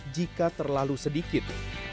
jika terlalu sedikit